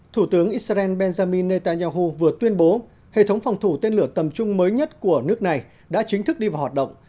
thủ tướng israel benjamin netanyahu vừa tuyên bố hệ thống phòng thủ tên lửa tầm trung mới nhất của nước này đã chính thức đi vào hoạt động